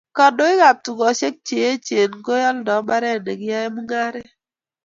Kndoik ab tukoshek che yechen ko kiyaldo mbaret nekiyaen mungaret